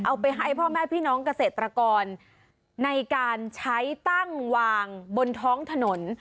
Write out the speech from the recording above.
เอาไปให้พ่อแม่พี่น้องเกษตรกรในการใช้ตั้งวางบนท้องถนน